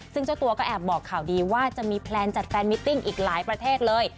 ซึ่งเจ้าตัวก็แอบบอกข่าวดีว่าจะมีแพลนจัดแฟนมิตติ้งอีกหลายประเทศเลย